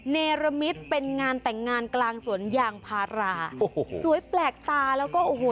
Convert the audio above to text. เนรมิตเป็นงานแต่งงานกลางสวนยางพาราโอ้โหสวยแปลกตาแล้วก็โอ้โห